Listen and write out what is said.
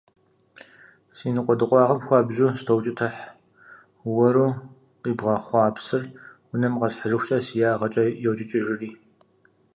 Си ныкъуэдыкъуагъым хуабжьу сытоукӀытыхь, уэру къибгъэхъуа псыр унэм укъэсыжыхукӀэ си ягъэкӀэ йокӀыкӀыжри.